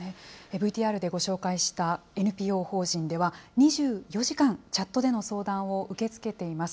ＶＴＲでご紹介したＮＰＯ法人では、２４時間チャットでの相談を受け付けています。